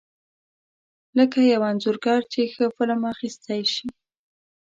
لکه یو انځورګر چې ښه فلم اخیستی شي.